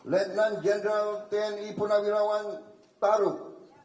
lieutenant general tni puna wirawan taruk